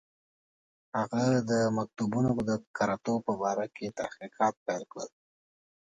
هغه د مکتوبونو د کره توب په باره کې تحقیقات پیل کړل.